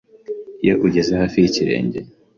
Iyo igeze hafi yikirenge